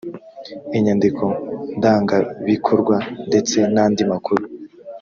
inyandiko ndangabikorwa ndetse n andi makuru